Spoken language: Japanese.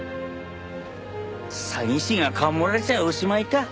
詐欺師がカモられちゃおしまいか。